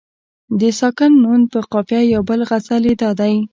د ساکن نون په قافیه یو بل غزل یې دادی.